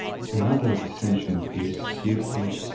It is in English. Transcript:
Another dissentient is Sir H.